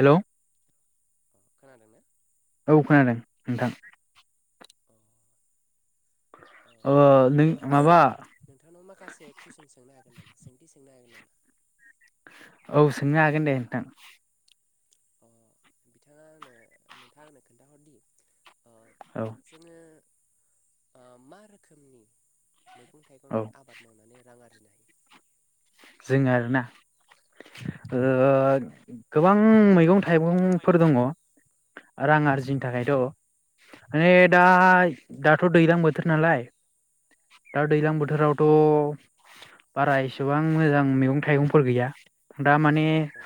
Hello. खोनादोंन? औ खोनादों नोंथां। अ अ ओ आं नों माबा नोंथांनाव माखासे कुइसन सोंनो हागोन नामा? सोंथि सोंनो हागोन नामा? औ सोंनो हागोन दे नोंथां। अ बिथाङा आंनो नोंथाङा आंनो खोन्थाहरदि। अ औ जोङो मा रोखोमनि मैगं औ थाइगंनि आबाद मावनानै राङ आरि जो आरोना गोबां मैगं औ थाइगंफोर मैगं दङ रां आरजिनो थाखायथ' माने दा दाथ' दैज्लां बोथोर नालाय दा औ दैज्लां बोथोरावथ' बाराय सवा मोजां मैगंं थायगं फोर गैया माने औ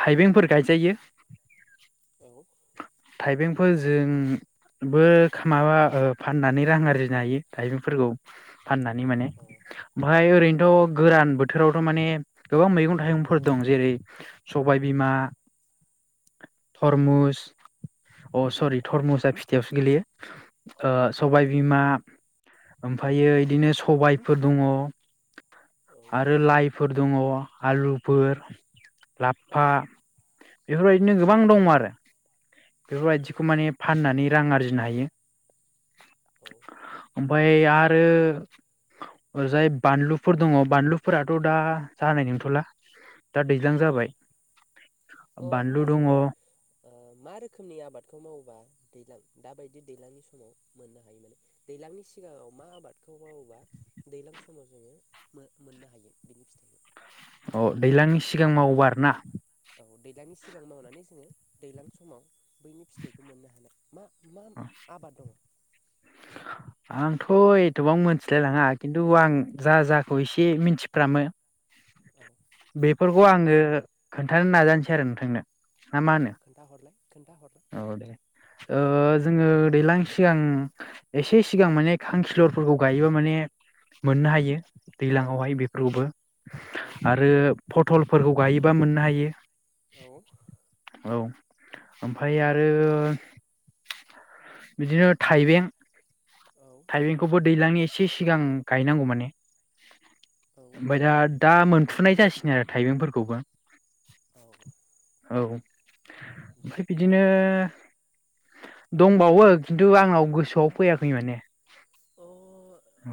थाइबेंफोर गायजायो औ थाइबेंफोरजोंबो माबा फाननानै रां आरजिनो हायो थाइबेंफोरखौ फाननानै माने औ अ ओमाय ओरैनो ' गोरान बोथोरावथ' माने गोबां मैगं थाइगंफोर दं जेरै सबायबिमा थरमुस अ उम सरि थर्मुजा खाथियावसो गेलेयो ओ सबायबिमा ओमफ्रायो बिदिनो सबायफोर दङ औ आरो लाइ फोर दङ आलुफोर औ लाफा बेफोरबायदिनो औ गोबां दङ आरो बेफोरबायदिखौ माने फाननानै रां आरजिनो हायो औ ओमाय आरो ओरजाय बानलुफोर दङ बानलुफोराथ' दा जानाय नंथ'ला दा दैज्लां औ जाबाय अ होमबा बानलु दङ जोङो ओ मा रोखोमनि आबादखौ मावोबा दैजलां दाबायदि दैज्लांनि समाव मोननो हायो माने दैज्लांनि सिगाङाव मा आबादखौ मावोबा दैज्लां समाव जोङो मोननो हायो बिनि फिथाइखौ अ दैज्लांनि सिगां मावोबा आरो ना औ दैलांनि सिगां मावनानै जोङो दैलां समाव बैनि फिथाइखौ मोननो हानाय मा मा आबाद दङ आंथ' एथ'बां मोनथिलायलाङा खिन्थु आं जा जाखौ एसे मिथिफ्रामो औ बेफोरखौ आङो खोन्थानो नाजानोसै आरो नोंथांनो हा मा औ होनो खोन्थाहरलाय खोन्थाहरलाय औ दे ओ जोङो दैज्लां सिगां एसे सिगां माने खांखिलरफोरखौ गायोबा माने मोननो हायो औ दैलांवहाय बेफोरखौबो औ आरो फत टलफोरखौ गायोबा मोननो हायो औ औ ओमफ्राय आरो बिदिनो थाइबें औ थाइबेंखौबो दैज्लांनि एसे सिगां गायनांगौ माने औ ओफाय दा दा मोनफुनाय जासिगोन आरो थाइबेंफोरखौबो औ औ बे ओमफ्राय आरोना बिदिनो दंबावो खिन्थु आंनाव गोसोआव फैयाखै माने औ औ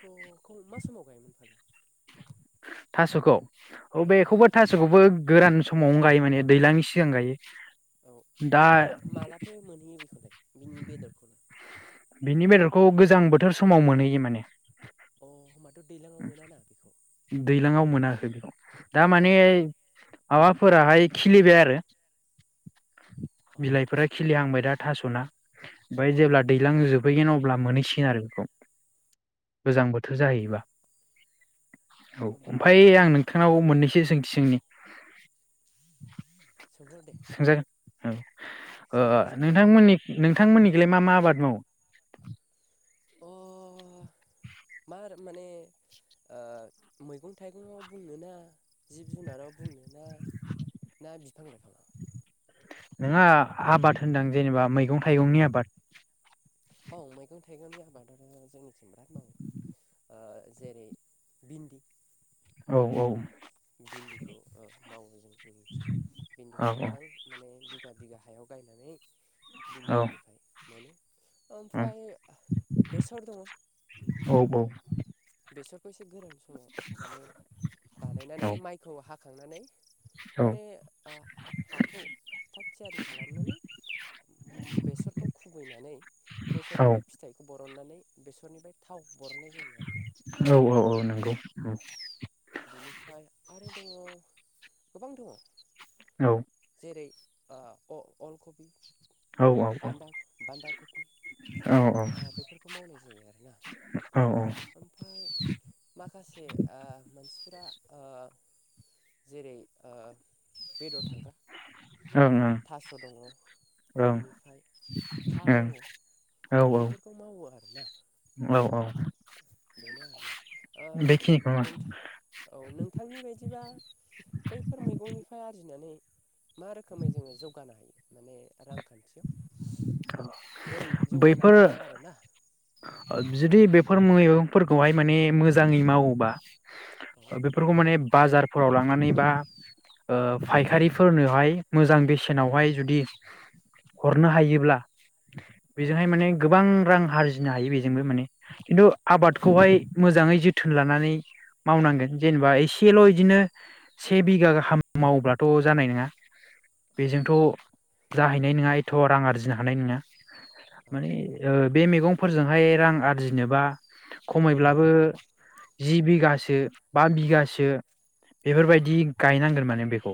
स' मा समाव गायोमोन फालाय थास'खौ औ बेेखौबो थास'खौबो गोरान समावनो गायो माने दैलांनि सिगां गायो औ दा ओमफ्राय मा मालाथो मोनहैयो बेखौलाय बिनि बेदरखौ खौ गोजां बोथोर समाव मोनहैयो माने अ होमबाथ' दैलाङाव मोनाना बेखौ दैज्लाङाव मोनाखै बेखौ दा अ माने माबाफोराहाय खिलिबाय आरो अ बिलाइफोरा खिलिहांबाय दा थास'ना ओमफ्राय औ जेब्ला दैज्लां जोबहैगोन अब्ला मोनहैसिगोन आरो बेखौ गोजां बोथोर जाहैबा औ ओमफाय ओमफफ्राय आं नोंथांनाव मोननैसै सोंथि सोंनि सोंहर दे सोंजागोन औ ओ सोंहर सोंहर नोंथांमोननि नोंथांमोननिखौलाय मा मा आबाद मावो? अ मा माने ओ मैगं थाइगं आव बुंनोना जिब जुनाराव बुंनो ना ना बिफां लाइफाङाव नङा आबाद होनदों जेनेबा मैगं थाइगंनि आबाद। औ मैगं थाइगंनि आबादा जोंनिथिं बिराद मावो जेरै भिन्दि औ औ भिन्दिखौ मावो जोंनिथिं औ भिन्दिखौ गोबां माने बिगा बिगा हायाव गायनानै औ बिन्दिनिफ्राय मोनो ओमफ्राय बेसर दङ औ बेसरखौ एसे गोरों समाव माने बानायनानै माइखौ हा [inaudible] माने ओ हाखौ थाग थियारि खालामनानै बेसरखौ खुबैनानै औ बेसरनिफ्राय फिथाइखौ ब बरननानै बेसरनिफ्राय थाव बरननाय जायो आरोना औ औ औ नंगौ औ बेनिफ्राय आरो दङ गोबां दङ औ जेरै ओ अ-अलखपि औ औ बान्दा बान्दा कबि औ बेफोरखौ मावनाय जायो आरोना ओं ओं ओं ओमफ्राय माखासे ओ मानसिफ्रा ओ जेरै ओ बेदर थांग्रा ओं थास' दङ बिनिफ्राय था दङ औ बेफोरखौ मावो आरो [inaudible] औ औ ओ बेनो आरोना बेखिनिखौ ओ नोंथां औ नोंथांनि बायदिबा बैफोर मैगंनिफ्राय आरजिनानै मा रोखोमै जोङो जौगानो हायो माने रांखान्थियाव बोरै जौगानो बैफोर हागोन आरोना जुदि बेफोर मैगंफोरखौहाय माने मोजाङै मावोबा औ बेफोरखौ माने बाजारफोराव लांनानै बा ओ फायखारिफोरनोहाय मोजां बेसेनावहाय जुदि हरनो हायोब्ला औ बेजोंहाय माने गोबां रां आरजि नो हायो बेजोंबो माने खिन्थु औ आबादखौहाय मोजाङै जो थोन लानानै मावनांगोन जेनेबा एसेल' बिदिनो से बिगा गाहाम मावब्लालाथ' जानाय नङा औ बेजोंथ' जाहैनाय नङा एथ' रां आरजिनो हानाय नङा औ माने बे मेगं- फोरजोंहाय रां आरजिनोबा खमैब्लाबो जि बिगासो बा बिगासो बेफोरबायदि गायनांगोन माने बेखौ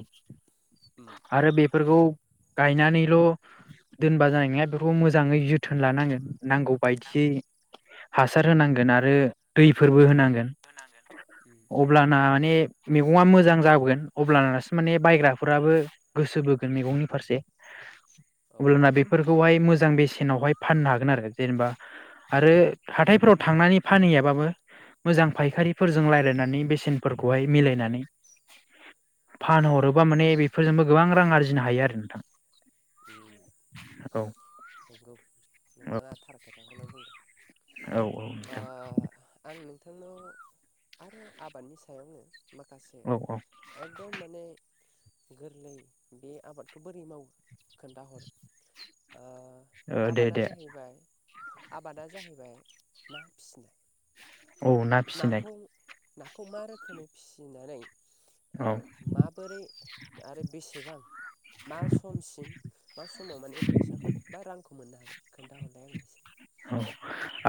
उम आरो बे फोरखौ गायनानैल' दोनबा जानाय नङा बेफोरखौ मोजाङै जोथोन लानांगोन नांगौ बायदि नांगौ हासार होनांगोन आरो दैफोरबो होनांगोन होनांगोन उम अब्लाना माने मेगङा मोजां जाबोगोन अब्लानासो माने बायग्राफोराबो गोसो बोगोन मेगंनि फारसे औ अब्लाना बेफोरखौहाय मोज जां बेसेनावहाय फाननो हागोन आरो जेनेबा आरो हाथायफोराव थांनानै फानहैयाबाबो मोजां फायखारिफोरजों रायलायनानै बेसेनफोरखौहाय मिलायनानै फानहरोबा माने बेफोरजोंबो गोबां रां आरजिनो हायो आरो नोंथां। [inaudible] नोंगौ नोंथाङा थारखौ नो बुंदों औ औ अ नोंथां आं नोंथांनो खौ आरो आबादनि सायावनो माखासे औ एकदम माने गोरलै बे आबादखौ बोरै मावो खोन्थाहर अ औ दे दे आबादा जाहैबाय ना फिसिनाय औ ना फिसिनाय नाखौ नाखौ मा रोखोमै फिसिनानै अ औ माबोरै आरो बेसेबां मा समसिम मा समाव माने फैसाखौ बा रांखौ मोननो हागोन खोन्थाहरलाय आंनो एसे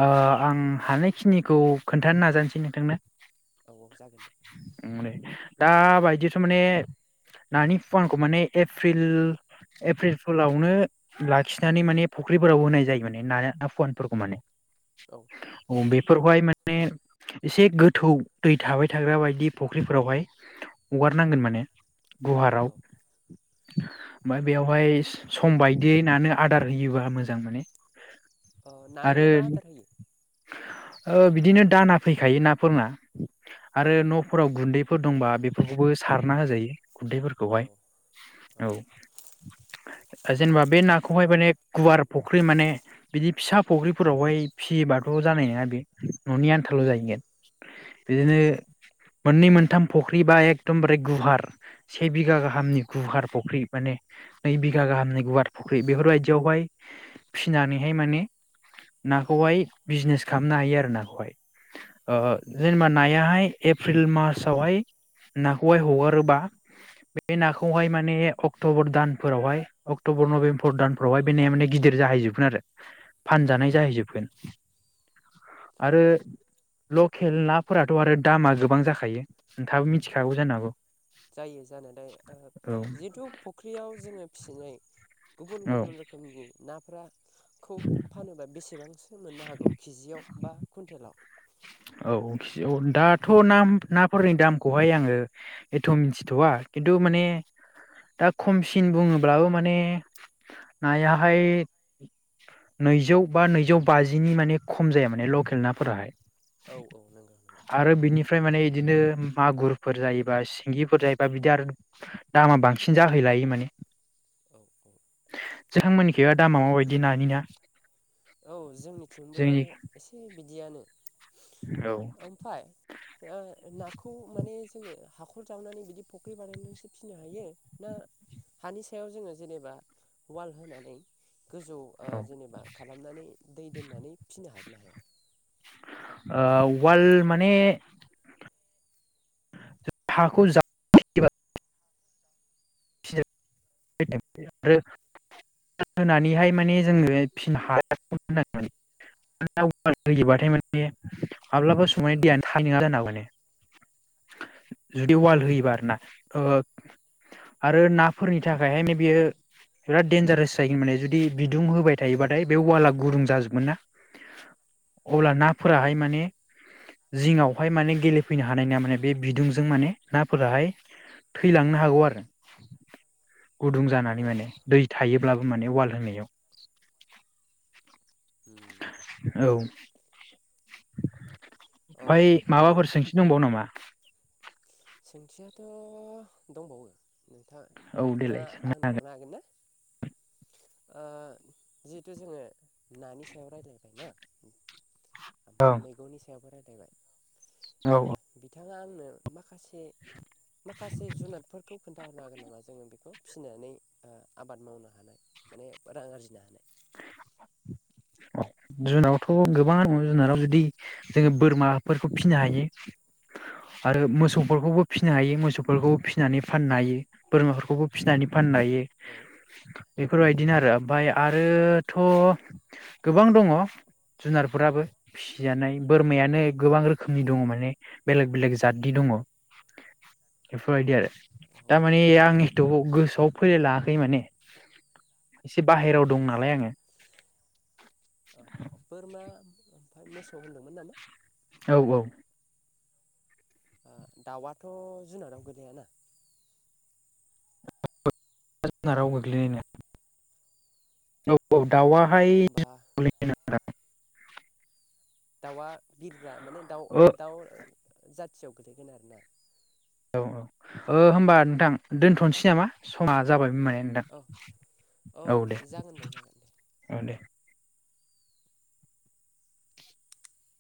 औ आं हानायखिनिखौ खोन्थानो नाजानोसै नोंथांनो औ औ जागोन दे माने दा बायदिथ' माने नानि फुवानखौ माने एप्रिल- एप्रिल फोलावनो लाखिनानै माने फुख्रिफोराव होनाय जायो माने नानि फुवानफोरखौ माने औ अ बेफोरहाय मा ने एसे गोथौ दै थाबाय थाग्रा बायदि फुख्रिफोरावहाय हगारनांगोन माने गुहाराव औ ओमफ्राय बेवहाय सम बायदियै नानो आदार होयोबा मोजां माने अ नान'लाय मा होदार होयो? अ बिदिनो दाना फैखायो नाफोरना औ आरो न बेफोर दंबा बेफोरखौबो सारना होजायो। औ गुन्दैफोरखौहाय औ औ जेनेबा बे नाखौहाय माने गुवार फुख्रि माने बिदि फिसा फुख्रिफोरावहाय फिसियोबाथ' जानाय नङा बे न'नि आन्थाल' औ जाहैगोन औ बिदिनो मोननै मोनथाम फुख्रि बा एखदमबारे गुवार से बिगा गाहामनि गुवार फख्रि माने नै बिगा गाहामनि गुवार फुख्रि बेफोरबायदियावहाय फिसिनानैहाय माने नाखौहाय बिजनेस खालामनो हायो आरो नाखौहाय। जेनेबा नायाहाय एप्रिल मार्चावहाय नाखौहाय हगारोबा बे नाखौहाय माने अक्ट'बर दानफोरावहाय अक्टबर नभेम्बर दानफोरावहाय बे माने गिदिर जाहैजोबगोन आरो उम फानजानाय जाहैजोबगोन। आरो लकेल नाफोराथ' आरो दामा गोबां जाखायो नोंथाङाबो औ मिथिखागौ जानो हागौ। जायो जानोथाय औ जिहेथु फुख्रियाव जोङो फिसिनाय गुबुन गुबुन रोखोमनि ना फोरा खौ फानोबा बेसे सेबां सो मोननो हागौ केजियाव बा कुइन्टेलाव औ औ दाथ' ना नाफोरनि दामखौहाय आङो एथ' मिथिथ'वा खिनथु माने दा खमसिन बुङोब्लाबो माने नायाहाय नैजौ बा नैजौ बाजिनि माने खम जाया माने लकेल नाफोराहाय औ औ नंगौ नंगौ आरो बिनि ओमफ्राय माने बिदिनो मागुरफोर जायोबा सिंगिफोर जायोबा बिदि आरो दामा बांसिन जाहैलायो माने औ औ। नोंथां मोननिखिबा दामा माबायदि नानि ना औ जोंनिथिंबो जोंनि एसे बिदियानो औ ओमफ्राय नाखौ माने जोङो हाखर जावनानै बिदि फुख्रि बानायनानैसो फिनो हायो ना हानि सायाव जोङो जेनेबा वाल होनानै गोजौ औ जेनेबा खालामनानै दै दोननानै फिनो हागोन ना हाया आ उवाल माने हाखौ जा [unintelligible] माने जुदि अ वाल औ। होयोबा आरोना आरो नाफोरनि बेनि थाखायहाय बेयो बिराद डेनजारेस जायैगोन माने जुदि बिदुं होबाय थायोबाथाय बे उवाला गुदुं जाजोबगोन ना अब्ला औ नाफोराहाय माने जिङावहाय माने गेलेफैनो हानाय नङा माने बे बिदुंजों माने नाफोराहाय थैलांनो हागौ आरो गुदुं औ जानानै माने दै थायोब्लाबो माने वाल होनायाव उम औ अ ओमफ्राय आरो माबाफोर सोंथि दंबावो नामा सोंथियाथ' दंबावो नोंथां औ नोंथाङा देलाय सोंनो आंनो हरनो हागोन ना जिहेथु जोङो नानि सायाव रायलायबाय ना ओमफ्राय मैगंनि सायावबो राय फैबाय। औ औ। नोंथाङा आंनो मा माखासे जुनादफोरखौ खोन्थाहरनो हागोन नामा जोङो बेखौ फिसिनानै ओ आबाद मावनो हानाय माने रां आरजिनो हानाय? जुनावथ' गोबांङानो दं जुनाराव जुदि जोङो बोरमाफोरखौ फिनो हायो आरो मोसौ [unintelligible] खौबो फिसिनो औ हायो मोसौफोरखौ फिसिनानै फाननो हायो बोरमाफोरखौबो फिनानै फान फाननो हायो। औ बेफोरबायदिनो आरो औ ओमफ्राय आ आरोथ' गोबां दङ जुनारफोराबो फिसिजानाय बोरमायानो गोबां औ रोखोमनि दङ माने बेलेग बेलेग जाददि दङ बेफोरबायदि आरो औ दा माने आंनिथ' गोसोआव फैलाय लांङाखै माने एसे बाहेरा दं नालाय आदसा आङो। ओ बोरमा ओमफ्राय मोसौ होन्दोंमोन नामा? औ औ ओ दाउआथ' जुनादाव गोलैयाना? जुनाराव हेलौ गोग्लैयो। औ औ दाउवाहाय जुनाराव होमबा गोग्लैनाय नङा दां। [unintelligible] दाउआ बिरग्रा माने दाउ औ दाउ जा खाथियाव गोलैगोन आरोना। औ ओ होमबा नोंथां दोनथ'नोसै नामा समा जाबायबो माने। नोंथां औ औ दे जागोन जागोन दे औ दे।